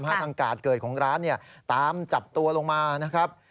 ทางกาดเกิดของร้านเนี่ยตามจับตัวลงมานะครับ